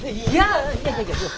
いやいやいやいや。